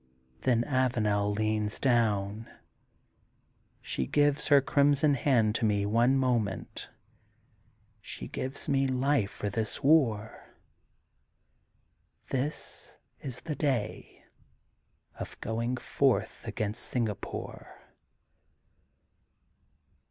'^ Then Avanel leans down. She gives her crimson hand to me one moment. She gives me life for this war. This is the day of going forth against Singapore.